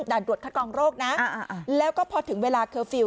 ด่านตรวจคัดกรองโรคนะแล้วก็พอถึงเวลาเคอร์ฟิลล